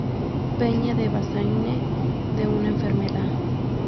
Peña de Bazaine de una enfermedad.